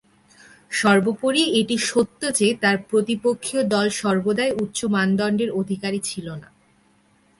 সর্বোপরি এটি সত্য যে, তার প্রতিপক্ষীয় দল সর্বদাই উচ্চ মানদণ্ডের অধিকারী ছিল না।